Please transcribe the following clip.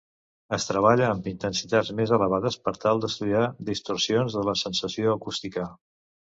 Es treballa amb intensitats més elevades per tal d'estudiar distorsions de la sensació acústica.